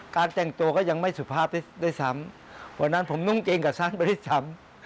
แต่งตัวก็ยังไม่สุภาพด้วยซ้ำวันนั้นผมนุ่งเกงกับสั้นไปด้วยซ้ำ